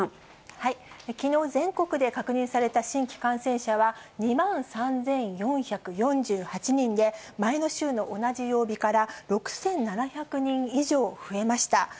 きのう、全国で確認された新規感染者は２万３４４８人で、前の週の同じ曜日から６７００人以上増えました。